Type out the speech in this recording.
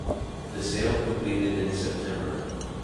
The sale completed in September.